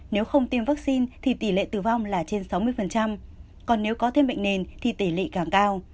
nếu không tiêm vaccine thì tỷ lệ tử vong là trên sáu mươi còn nếu có thêm bệnh nền thì tỷ lệ càng cao